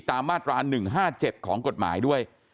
ตามมาตรา๑๕๗ของกฎหมายด้วย